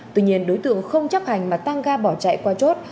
tuy nhiên đối tượng không chấp hành mà tăng ga bỏ chạy qua chốt